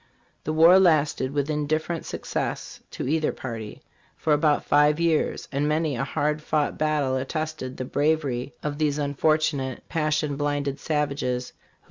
''The war lasted, with indifferent success to either party, for about five years, and many a hard fought battle attested the bravery of these unfortu nate, passion blinded savages, who